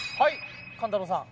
勘太郎さん。